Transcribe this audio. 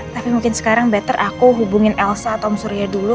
tapi mungkin sekarang better aku hubungin elsa tom surya dulu